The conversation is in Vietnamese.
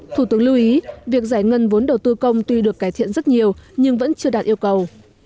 thủ tướng lưu ý việc giải ngân vốn đầu tư công tuy được cải thiện rất nhiều nhưng vẫn chưa đạt yêu cầu